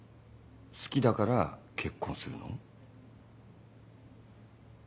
好きだから結婚するの？